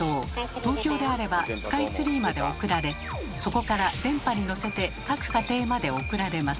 東京であればスカイツリーまで送られそこから電波に乗せて各家庭まで送られます。